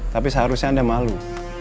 tapi seharusnya anda malu